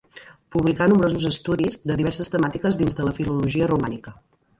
Publicà nombrosos estudis de diverses temàtiques dins de la filologia romànica.